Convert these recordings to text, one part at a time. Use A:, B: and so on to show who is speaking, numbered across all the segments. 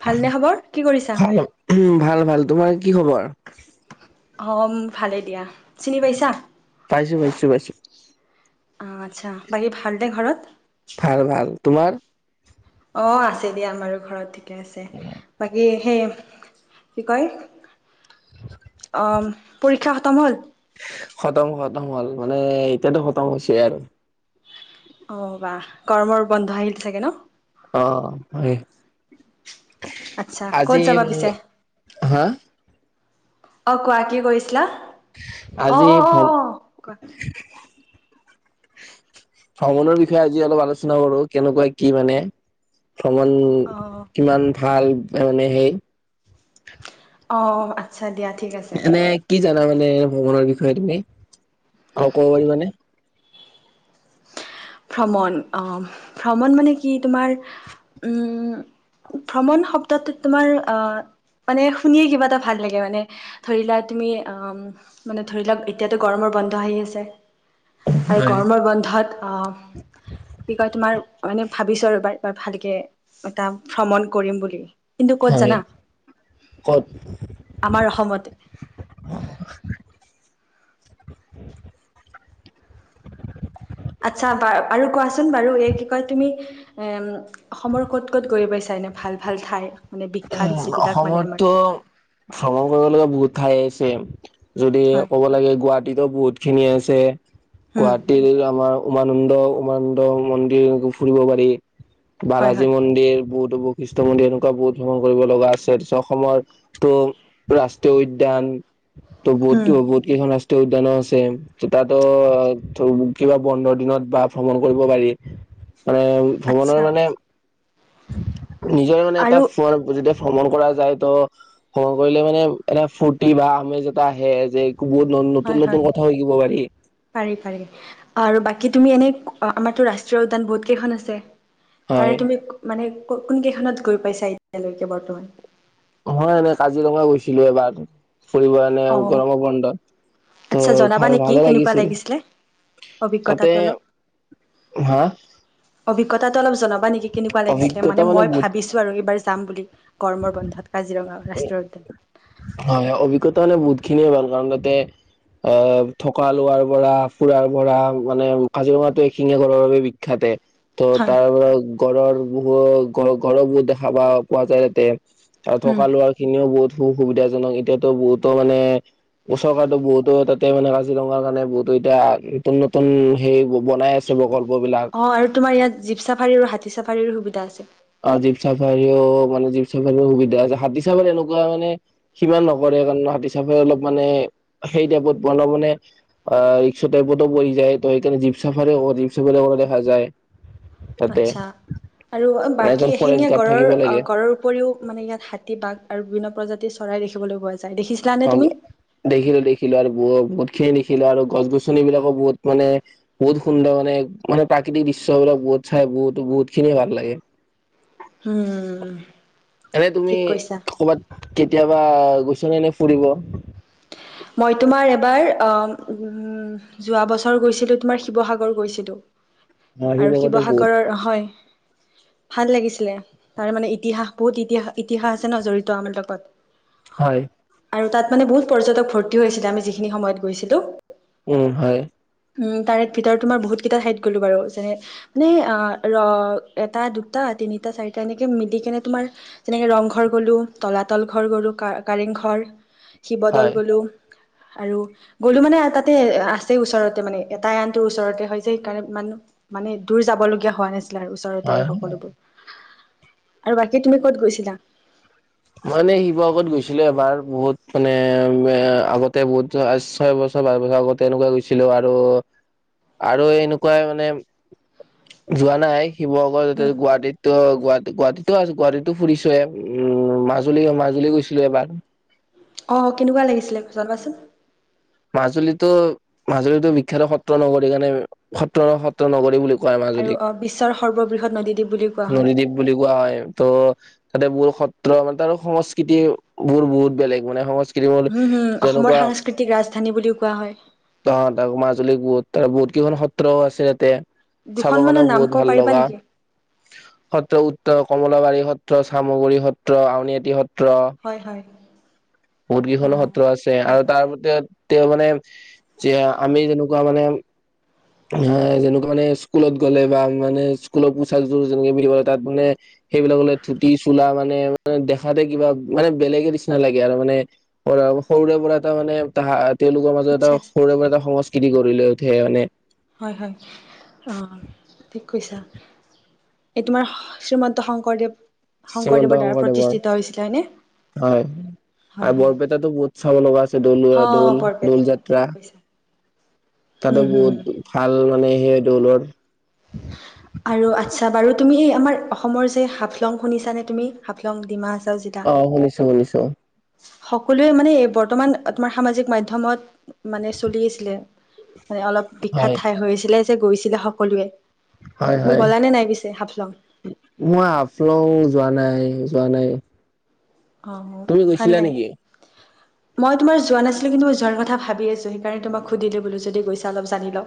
A: ভালনে খবৰ কি কৰিছা?
B: ভাল উ ভাল ভাল তোমাৰ কি খবৰ
A: অ ভালেই দিয়া চিনি পাইছা
B: পাইছো পাইছো পাইছো
A: অ আচ্ছা বাকী ভাল নে ঘৰত
B: ভাল ভাল তোমাৰ
A: অঁ আছে দিয়া আমাৰো ঘৰত থিকে আছে বাকী সেই কি কয় অ পৰীক্ষা খতম হ'ল
B: খতম হল খতম হ'ল মানে এতিয়াতো খতম হৈছে আৰু
A: অ বাহ গৰমৰ বন্ধ আহিল চাগে ন
B: অ হয়
A: আচ্ছা ক'ত
B: আজি
A: যাবা
B: উম
A: পিছে?
B: হা
A: অ কোৱা কি কৰিছিলা অ
B: আজি
A: অ অ
B: ভ্ৰম
A: অ কোৱা
B: ভ্ৰমণৰ বিষয়ে আজি অলপ আলোচনা কৰো কেনেকোৱা কি মানে ভ্ৰমণ
A: অ'
B: কিমান ভাল মানে সেই
A: অ আচ্ছা দিয়া ঠিক আছে।
B: এনে কি জানা মানে ভ্ৰমণৰ বিষয়ে তুমি আৰু ক'ব পাৰি মানে
A: ভ্ৰমণ আহ ভ্ৰমণ মানে কি তোমাৰ উম ভ্ৰমণ শব্দটো তোমাৰ আহ মানে শুনিয়ে কিবা এটা ভাল লাগে মানে ধৰিলা তুমি আহ মানে ধৰি লোৱা এতিয়াতো গৰমৰ বন্ধ আহি আছে। আৰু
B: হয়
A: গৰমৰ বন্ধ ন্ধত কি কয় তোমাৰ মানে ভাবিছোঁ এইবাৰ ভালকে এটা ভ্ৰমণ কৰিম বুলি। কিন্তু কত
B: হয়
A: জানা
B: ক'ত
A: আমাৰ অসমতে
B: [unintelligible]
A: আচ্ছা বা আৰু কোৱাচোন বাৰু এই কি কয় তুমি এ অসমৰ ক'ত ক'ত গৈ পাইছা এনে ভাল ভাল ঠাই মানে বিখ্যাত
B: উম
A: যিবিলাক মানে আমাৰ
B: অসমতো ভ্ৰমণ কৰিব লগা বহুত ঠাই আছে চেইম যদি
A: হয়।
B: ক'ব লাগে গুৱাহাটীতো বহুত খিনি আছে
A: হুম,
B: গুৱাহাটীৰ আমাৰ উমানন্দ উমানন্দ মন্দিৰ ফুৰিব পাৰি।
A: হয়
B: বালাজী
A: হয়।
B: মন্দিৰ বুট বৈশিষ্ট মন্দিৰ এনেকোৱা বহুত ভ্ৰমণ কৰিব লগা আছে অসমৰ ত ৰাষ্ট্ৰীয় উদ্যান ত'
A: হুম,
B: বহুতো কেইখন আছে। উদ্যানো আছে তাতো কিবা বন্ধৰ দিনত বা ভ্ৰমণ কৰিব পাৰি। মানে
A: আচ্ছা
B: ভ্ৰমণৰ মানে নিজৰে মানে এটা
A: আৰু
B: ফোৱাৰ যেতিয়া ভ্ৰমণ কৰা যায় ত' ভ্ৰমণ কৰিলে মানে এনে ফূৰ্তি বা আমেজ এটা আহে যে বহুত
A: হয়
B: নতুন
A: হয়।
B: নতুন কথা শিকিব পাৰি
A: পাৰি পাৰি আৰু বাকী তুমি এনেই আমাৰতো ৰাষ্ট্ৰীয় উদ্যান বহুত কেইখন আছে তাৰে
B: হয়।
A: তুমি মানে কোন কেইখনত গৈ পাইছা এতিয়ালৈকে বৰ্তমান
B: মই এনে কাজিৰঙা গৈছিলো এবাৰ ফুৰিবানে
A: অ'।
B: গৰম বন্ধত ত
A: আচ্ছা জনাবা
B: ভাল
A: নেকি
B: ভালে
A: কেনেকুৱা
B: লাগিছিল
A: লাগিছিলে
B: তাতে
A: অভিজ্ঞতাটো অলপ?
B: হা
A: অভিজ্ঞতাটো অলপ জনাবা নেকি? কেনেকোৱা লাগিছিলে
B: অভিজ্ঞতা
A: মানে মই
B: বহুত
A: ভাবিছোঁ আৰু এইবাৰ যাম বুলি গৰমৰ বন্ধত কাজিৰঙা ৰাষ্ট্ৰীয় উদ্যান।
B: হয় অভিজ্ঞতা হলে বহুত খিনিয়ে ভাল কাৰণ তাতে অ থকা লোৱাৰ পৰা ফুৰাৰ পৰা মানে কাজিৰঙাটো এশিঙীয়া গড়ৰ বাবে বিখ্যাতে তো
A: হয়।
B: তাৰপৰা কলৰ গুও, কলৰ গু দেখা পাও পোৱা যায় তাতে
A: উম,
B: থকা লোৱা খিনিও বহুত সু সুবিধাজনক। এতিয়াতো বহুতো মানে চৰকাৰো বহুতো তাতে মানে কাজিৰঙাৰ কাৰণে বহুতো এতিয়া নতুন নতুন হে বনাই আছে প্ৰকল
A: অ আৰু তোমাৰ এইয়াত জীপ চাফাৰীৰো, হাতী চাফাৰীৰো সুবি আছে।
B: অ জীপ চাফাৰীও মানে জীপ চাফাৰীও সুবিধা আছে। হাতী চাফাৰী এনেকুৱা মানে সিমান নকৰে, কাৰণ হাতী চাফাৰী অলপ মানে সেই টাইপত [unintelligible] মানে ৰিক্সা টাইপতো পৰি যায়। ত সেইকাৰণে জীপ চাফাৰী জীপ চাফাৰ কৰা দেখা যায়। তাতে
A: আচ্ছা আৰু বাক
B: এজন ফৰেষ্ট
A: এশেঙীয়া
B: গাৰ্ড
A: গঁড়ৰ
B: থাকিব লাগে
A: গড়ৰ উপৰিও মানে ইয়াত হাতী, বাঘ আৰু বিভিন্ন প্ৰজাতিৰ চৰাই দেখিবলৈ পোৱা যায়। দেখিছিলানে
B: অ
A: তুমি
B: দেখিলো, দেখিলো আৰু ব বহুত খিনি দেখিলো আৰু গছ-গছনিবিলাকো বহুত মানে বহুত সুন্দৰ মানে মানে প্ৰাকৃতিক দৃশ্যবিলাক বহুত চাই বহুত বহুত খিনিয়ে ভাল লাগে।
A: উম।
B: এনে তুমি
A: ঠিক কৈছা
B: কবাত কেতিয়াবা গৈছ নে এনে ফুৰিব?
A: মই তোমাৰ এবাৰ অ উম যোৱা বছৰ গৈছিলো তোমাৰ শিৱসাগৰ গৈছিলো। আৰু
B: শিৱসাগৰতো বহুত
A: শিৱসাগৰৰ, হয়। ভাল লাগিছিলে। তাৰ মানে ইতিহাস বহুত ইতি ইতিহাস আছে ন জড়িত আমাৰ লগত।
B: হয়।
A: আৰু তাত মানে বহুত পৰ্যটক ভৰ্তি হৈছিলে আমি যিখিনি সময়ত গৈছিলো।
B: উম হয়।
A: উম তাৰে ভিতৰত তোমাৰ বহুত কেইটা ঠাইত গলো বাৰু। যেনে মানে আহ ৰ এটা, দুটা, তিনিটা, চাৰিটা এনেকে মিলি কেনে তোমাৰ যেনেকে ৰংঘৰ গলো, তলাতল ঘৰ গলো, কাৰেং ঘৰ শিৱদল
B: হয়
A: গ'লোঁ। আৰু গ'লো মানে তাতে আছে ওচৰতে। মানে এটা আনটোৰ ওচৰতে হয় যে সেইকাৰণে মানুহ মানে দূৰ যাব লগীয়া হোৱা নাছিল। তাৰ ওচৰতে
B: হয়
A: আৰু সকলোবোৰ। আৰু বাকী তুমি ক'ত গৈছিলা?
B: মই এনেই শিৱসাগৰত গৈছিলো এবাৰ। বহুত মানে আগতে বহুত ছয় বছৰ পাচ বছৰ আগতে এনেকুৱা গৈছিলো আৰু আৰু এনেকুৱাই মানে যোৱা নাই। শিৱসাগৰ
A: উম
B: গুৱাহাটীতটো গুৱাহা গুৱাহাটীতটো আছোঁ, গুৱাহাটীতো ফুৰিছোৱে উম। মাজুলীও, মাজুলী গৈছিলো এবাৰ।
A: অ কেনেকুৱা লাগিছিলে জনাবাচোন?
B: মাজুলীতো মাজুলীতো বিখ্যাত সত্ৰ নগৰীৰ কাৰণে। সত্ৰ-সত্ৰ নগৰী বুলি কয় কয়
A: আৰু
B: মাজুলীক।
A: অ বিশ্বৰ সৰ্ববৃহৎ নদীদ্বীপ বুলি কোৱা হয়
B: নদীদ্বীপ বুলি কোৱা হয় ত তাতে বোৰ সত্ৰ মানে, তাৰ সংস্কৃতিবোৰ বহুত বেলেগ মানে সং
A: উম, হজ। অসমৰ সাংস্কৃতিক ৰাজধানী বুলিও কোৱা হয়
B: ত' তাক মাজুলীক বহুত তাৰ বহুত কেইখন সত্ৰও আছে ইয়াতে। চাব
A: দুখন মানৰ
B: কাৰণেও
A: নাম
B: বহুত
A: ক'ব
B: ভাল
A: পাৰিবা
B: লগা,
A: নেকি?
B: সত্ৰ উত্তৰ কমলাবাৰী সত্ৰ, চামগুৰি সত্ৰ, আউনীআটী সত্ৰ।
A: হয় হয়।
B: বহুত কেইখনো
A: অ'।
B: সত্ৰ আছে,
A: হয়
B: আৰু
A: হয়
B: তাৰ গোটে তেওঁ মানে যে, আমি যেনেকুৱা মানে যেনেকুৱা মানে স্কুলত গ'লে বা মানে স্কুলত পোচাকযোৰ যেনেকে পিন্ধিব লাগে। তাত মানে সেইবিলাকলে ধূতি-চোলা মানে দেখাতে কিবা মানে বেলেগে নিচিনা লাগে। আৰু মানে সৰুৰে পৰা এটা মানে তাত তেওঁলোকৰ মাজত এটা
A: ইচ্ছা আছে
B: সৰুৰে পৰা সংস্কৃ তি গঢ়ি লৈ উঠে মানে।
A: হয় হয়। অ' ঠিক কৈছা! এই তোমাৰ, শ্ৰীমন্ত শংকৰদেৱ
B: শ্ৰীমন্ত
A: শংকৰদেৱৰ দ্বাৰা
B: শংকৰদেৱৰ,
A: প্ৰতিষ্ঠিত হৈছিলে হয়নে?
B: হয়।
A: হয়
B: আৰু
A: হয়
B: বৰপেটাতো বহুত চাব লগা আছে দলোৱা
A: অ'
B: দৌল,
A: বৰপেটা ঠিক
B: দৌলযাত্ৰা
A: কৈছা
B: তাতে
A: হম হম।
B: বহুত ভাল মানে, সেই দৌলৰ
A: আৰু আচ্ছা বাৰু তুমি এই আমাৰ অসমৰ যে হাফলং শুনিছা নে তুমি হাফলং ডিমাহা-
B: অ' শুনিছো শুনিছো।
A: সকলোৱে মানে এই বৰ্তমান তোমাৰ সামাজিক মাধ্যমত, মানে চলি আছিলে। হয় অলপ বিখ্যাত
B: হয়
A: ঠাই হৈছিলে যে গৈছিল লে সকলোৱে।
B: হয়
A: তুমি
B: হয়,
A: গ'লানে নাই পিছে হাফলং?
B: মই হাফলং যোৱা নাই। নাই, যোৱা নাই।
A: অ'
B: তুমি গৈছিলা
A: ভালে
B: নেকি
A: মই তোমাৰ যোৱা নাছিলো কিন্তু, যোৱাৰ কথা ভাবি আছো। সেইকাৰণে তোমাক সুধিলো বোলো, যদি গৈছা অলপ জানি লওঁ।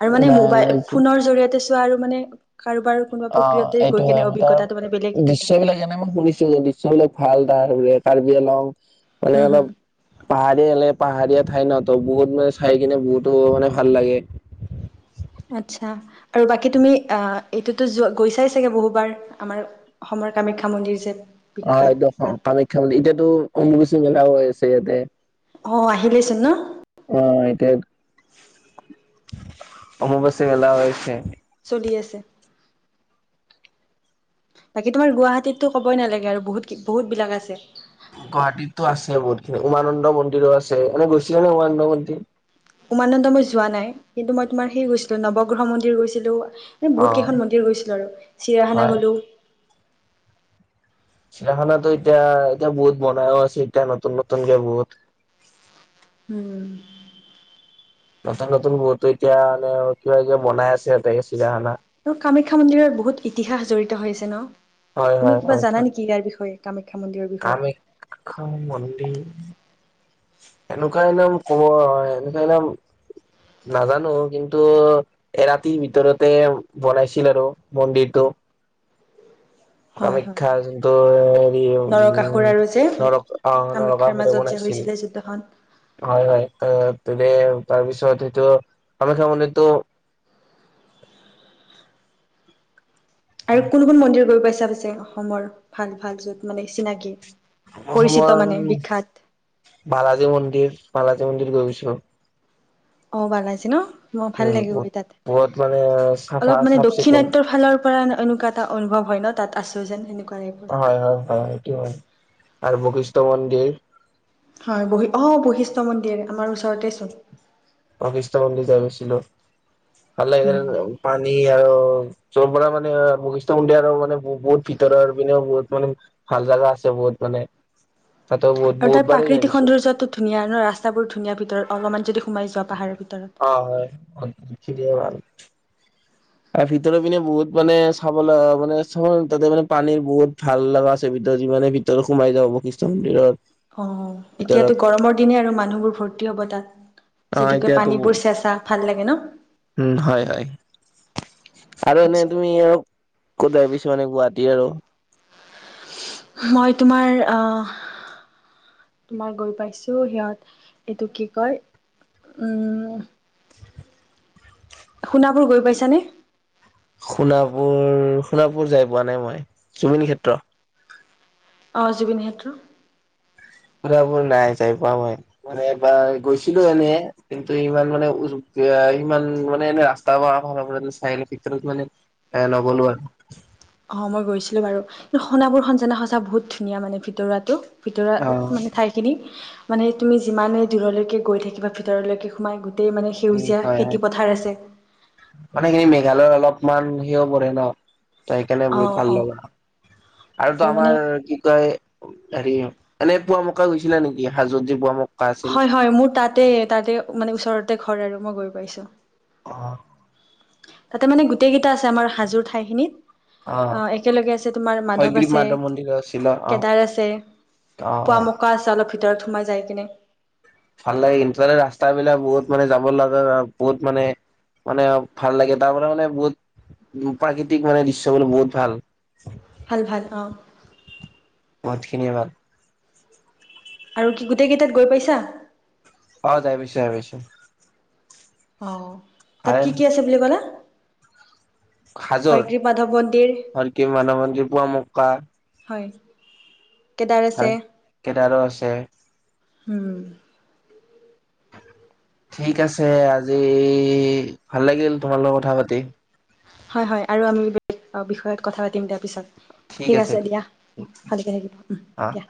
A: আৰু মানে
B: নাই
A: মোবাইল,
B: মই
A: ফোনৰ জৰিয়তে আৰু মানে কাৰোবাৰ কোনোবা
B: অ'
A: প্ৰক্ৰিয়াতে গৈ
B: এইটো হয়,
A: কেনে অভিজ্ঞতাটো মানে বেলেগ
B: তাৰ
A: এইটো এটা।
B: দৃশ্যবিলাক এনে মই শুনিছো যে দৃশ্যবিলাক ভাল। তাৰ কাৰ্বি-আলং মানে
A: হুম হুম।
B: অলপ পাহাৰীয়ালে পাহাৰীয়া ঠাই ন ত বহুত মানে চাই কিনে বহুতো মানে ভাল লাগে ।
A: আচ্ছা আৰু বাকী তুমি আহ এইটোতো গৈছাই চাগে বহুবাৰ আমাৰ অসমৰ কামাখ্যা মন্দিৰ যে ।
B: অ একদম কামাখ্যা বুলি এতিয়াতো অম্বুবাচী মেলাও হয় আছে। [unintelligible]
A: অ আহিলেচোন ন।
B: অ এইটোৱে। অম্বুবাচী মেলা হৈছে।
A: চলি আছে বাকী তোমাৰ গুৱাহাটীততো ক'বই নালাগে আৰু বহুত বহুত বিলাক আছে
B: গুৱাহাটীতো আছে বহুতখিনি উমানন্দ মন্দিৰো আছে এনে গৈছিলে নে উমানন্দ মন্দিৰ।
A: উমানন্দ মই যোৱা নাই কিন্তু মই তোমাৰ সেই গৈছিলো নৱগ্ৰহ মন্দিৰ গৈছিলো। ম
B: অ
A: বহুত কেইখন মন্দিৰ গৈছিলো আৰু চিৰিয়াখানা
B: হয়
A: গলো।
B: চিৰিয়াখানাতো এতিয়া এতিয়া বহুত বনাইও আছে এতিয়া নতুন নতুনকে বহুত।
A: উম
B: নতুন নতুন বহুতু এতিয়া মানে কিবা কিবা বনাই আছে ত।
A: অ কামাখ্যা মন্দিৰৰ বহুত ইতিহাস জড়িত হৈছে ন
B: হয়
A: তুমি
B: হয়
A: কিবা
B: হয়
A: জানা নেকি ইয়াৰ বিষয়ে কামাখ্যা মন্দিৰৰ বিষয়ে
B: কামাখ্যা মন্দিৰ। এনেকুৱালাম কব এনেকুৱাল নাজানো কিন্তু এ ৰাতিৰ ভিতৰতে বনাইছিল আৰু মন্দিৰটো।
A: হয় হয়
B: কামাখ্যা জোনটো তো হেৰি উ
A: নৰকাসুৰ আৰু যে
B: ন অ
A: কামাখ্যাৰ
B: নৰকাসুৰে
A: মাজত যে
B: বনাইছিল
A: হৈছিলে যুদ্ধখন
B: হয় হয় তে তাৰপিছত এইটো কামাখ্যা মন্দিৰটো ।
A: আৰু কোন কোন মন্দিৰ গৈ পাইছ। পচ পিছে অসমৰ ভাল ভাল য'ত মানে চিনাকি পৰিচিত
B: অসমৰ উ
A: মানে বিখ্যাত
B: বালাজী মন্দিৰ। বালাজী মন্দিৰ গৈছো।
A: অ বালাজী ন। ম ভাল
B: উম বহুত
A: লাগিবৈ তাত
B: বহুত মানে চাফা
A: অলপ মানে
B: চাফ চিকুণ
A: দক্ষিণাট্ৰ ফালৰ পৰা এনেকুৱা এটা অনুভৱ হয় ন তাত আছো যেন সেনেকুৱা
B: হয় হয় হয় সেইটো হয় আৰু বখিষ্ট মন্দিৰ ।
A: হয় অ বৈশিষ্টয় মন্দিৰ আমাৰ ওচৰতে চোন।
B: বশিষ্ট মন্দিৰ যোৱা নাছিলো ভাল
A: উম।
B: এই পানী আৰু চ'ৰ পৰা মানে বশিষ্ঠ মন্দিৰ আৰু মানে বহুত ভিতৰৰ পিনেও বহুত মানে ভাল জাগা আছে বহুত মানে তাতো বহুত
A: আৰু তাৰ
B: বহুত বাৰেই যাই
A: প্ৰাকৃতিক
B: পাইছো
A: সৌন্দৰ্যতো ধুনীয়া ন ৰাস্তা বোৰ ধুনীয়া ভিতৰত অলপমান যদি সোমাই যোৱা পাহাৰ ।
B: অ হয় দ ভাল । এ ভিতৰৰ পিনে বহুত মানে চাবলে তাতে মানে পানীৰ বহুত ভাল লগা আছে ভিতৰত যি মানে ভিতৰত সোমাই যাওঁ বশিষ্ট মন্দিৰত ।
A: অঁ! এতিয়াতো গৰমৰ দিনে আৰু মানুহবোৰ ভৰ্তি হ'ব তাত? উম [inaudible]
B: অ
A: যিহেতুকে
B: এতিয়াতো
A: পানীবোৰ চেঁচা। ভাল লাগে ন?
B: উম! হয়-হয় আৰু এনে
A: আচ্ছা।
B: তুমি আৰু ক'ত [unintelligible] মানে কোৱাত [unintelligible] এতিয়া আৰু
A: মই তোমাৰ আহ! মই গৈ পাইছোঁ, সিহঁত এইটো কি কয়? উম! সোণাপুৰ গৈ পাইছানে?
B: সোণাপুৰ! সোণাপুৰ যাই পোৱা নাই মই জুবিন ক্ষেত্ৰ।
A: অ জুবিন ক্ষেত্ৰ।
B: সোণাপুৰ নাই যাই পোৱা মই, মানে একবাৰ গৈছিলোঁ এনে কিন্তু ইমান মানে, ইমান মানে এনে ৰাস্তাৰ ফালৰ পৰা চাই আহিলোঁ, ভিতৰত মানে এ নগলো আৰু।
A: অঁ মই গৈছিলোঁ বাৰু, কিন্তু সোণাপুৰখন জানা সঁচা বহুত ধুনীয়া মানে ভিতৰুৱাটো। ভিতৰুৱা
B: অ
A: মানে ঠাইখিনি [unintelligible] মানে তুমি যিমানেই দূৰলৈকে গৈ থাকিবা ভিতৰলৈকে সোমাই গোটেই মানে
B: উম!
A: সেউজীয়া খেতি
B: হয়-হয়
A: পথাৰ আছে
B: মানে সেই মেঘালয়ৰ অলপ [unintelligible] মান সিও পৰে ন। ত সেইকাৰণে
A: অ
B: বহুত ভাল
A: অ
B: লগা, আৰুটো
A: আৰু মানে
B: আমাৰ কি কয়? হেৰি এনে পুৱামক্কা গৈছিলা নেকি? হাজোত যে পুৱাম
A: হয়-হয় মোৰ তাতে-তাতে, মানে ওচৰতে ঘৰ আৰু। মই গৈ পাইছোঁ।
B: অঁ!
A: তাতে মানে গোটেইকেইটা আছে আমাৰ হাজোৰ ঠাইখিনিত। অঁ একেলগে আছে তোমাৰ মাধৱ
B: হয়গ্ৰীৱ
A: আছে,
B: মন্দিৰ আছিল অ
A: কেদাৰ আছে,
B: অ অ অ
A: পুৱামক্কা আছে, অলপ ভি ভিতৰত সোমাই যায় কিনে
B: ভাল লাগে ই ৰাস্তাবিলাক, বহুত মানে যাব লাগে, বহুত মানে-মানে ভাল লাগে তাৰ মানে-মানে বহুত উ [unintelligible] প্ৰাকৃতিকভাৱে দৃশ্যবোৰ বহুত ভাল।
A: ভাল-ভাল অঁ
B: মতখিনি এবাৰ
A: আৰু কি গোটেইকেইটাত গৈ পাইছা?
B: অ যাই পাইছোঁ-পাইছোঁ।
A: অঁ! তাত কি কি আছে বুলি ক'লা?
B: হাজোৰ
A: হয়গ্ৰীৱ মাধৱ মন্দিৰ
B: হয়গ্ৰীৱ মানৱ, পুৱামক্কা।
A: হয় কেদাৰ আছে
B: হয়। কেদাৰো আছ ছে
A: উম!
B: ঠিক আছে আজি, ভাল লাগিল তোমাৰ লগত কথা পাতি।
A: হয়-হয় আৰু আমি [unintelligible] বিষয়ত কথা পাতিম দিয়া পিছত। ঠিক আছে দিয়া, ভালকে থাকিবা
B: অ
A: দিয়া।